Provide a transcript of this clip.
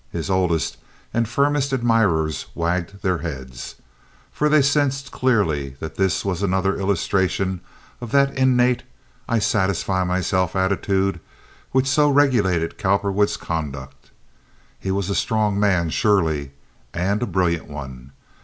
His oldest and firmest admirers wagged their heads. For they sensed clearly that this was another illustration of that innate "I satisfy myself" attitude which so regulated Cowperwood's conduct. He was a strong man, surely—and a brilliant one.